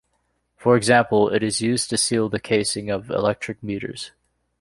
For example, it is used to seal the casing of electric meters.